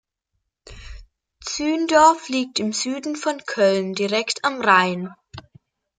Zündorf liegt im Süden von Köln direkt am Rhein.